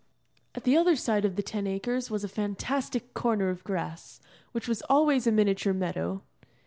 At the other side of the Ten Acres was a fantastic corner of grass, which was always a miniature meadow.